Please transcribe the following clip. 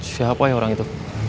siapa ya orang itu